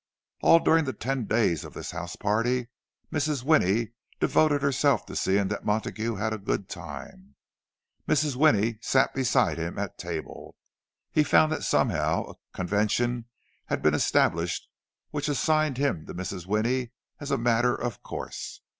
All during the ten days of this house party, Mrs. Winnie devoted herself to seeing that Montague had a good time; Mrs. Winnie sat beside him at table—he found that somehow a convention had been established which assigned him to Mrs. Winnie as a matter of course.